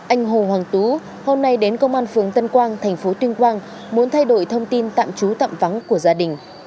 anh hồ hoàng tú hôm nay đến công an phường tân quang thành phố tuyên quang muốn thay đổi thông tin tạm trú tạm vắng của gia đình